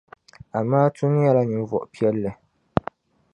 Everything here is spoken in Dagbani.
Amaatu nyɛla ninvuɣ' piɛlli.